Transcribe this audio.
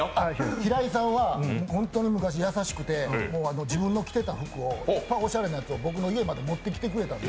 平井さんは本当に昔優しくて自分の着てた服を、僕の家まで持ってきてくれた。